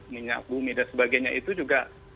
minyak bumi dan sebagainya itu juga